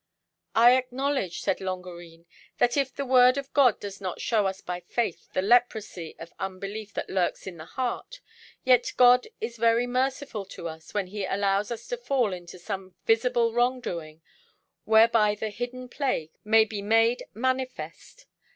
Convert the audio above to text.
"I acknowledge," said Longarine, "that if the Word of God does not show us by faith the leprosy of unbelief that lurks in the heart, yet God is very merciful to us when He allows us to fall into some visible wrongdoing whereby the hidden plague may be made manifest.